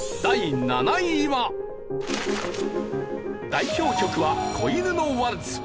代表曲は『小犬のワルツ』。